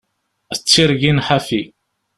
D tirgin ḥafi.